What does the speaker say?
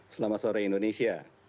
selamat sore indonesia